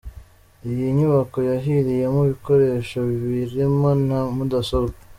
Iyi nyubako yahiriyemo ibikoresho birimo na mudasobwa.